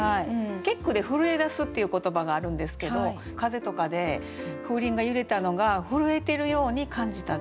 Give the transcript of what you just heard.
結句で「震え出す」っていう言葉があるんですけど風とかで風鈴が揺れたのが震えてるように感じた。